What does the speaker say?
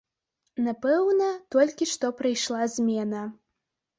Напэўна, толькі што прыйшла змена.